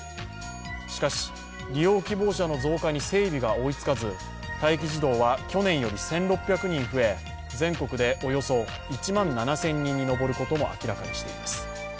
しかし、利用希望者の増加に整備が追いつかず待機児童は去年より１６００人増え、全国でおよそ１万７０００人に上ることも明らかにしています。